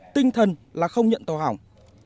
tinh thần là không nhận tàu hỏng